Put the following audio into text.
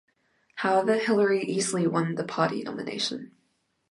However, Hillery easily won the party nomination.